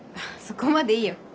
そこまでいいよ。